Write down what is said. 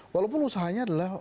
walaupun usahanya adalah